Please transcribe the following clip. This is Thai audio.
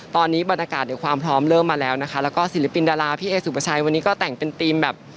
ตอนนี้บรรยากาศในความพร้อมเริ่มมาแล้วนะคะแล้วก็ศิลปินดาราพี่เอสุประชัยวันนี้ก็แต่งเป็นธีมแบบ